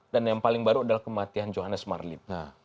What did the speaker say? dan yang paling baru adalah kematian johannes marlin